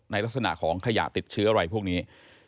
ลักษณะของขยะติดเชื้ออะไรพวกนี้